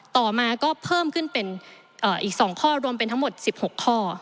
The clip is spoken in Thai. ต่อมาก็เพิ่มขึ้นเป็นอีก๒ข้อรวมเป็นทั้งหมด๑๖ข้อ